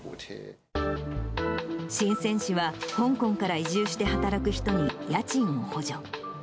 深せん市は、香港から移住して働く人に家賃を補助。